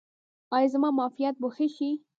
ایا زما معافیت به ښه شي؟